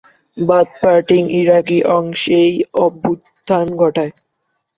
Bath পার্টির ইরাকি অংশ এই অভ্যুত্থান ঘটায়।